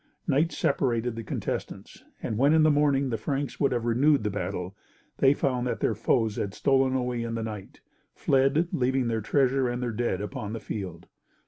Night separated the contestants, and when in the morning the Franks would have renewed the battle, they found that their foes had stolen away in the night, fled, leaving their treasure and their dead upon the field.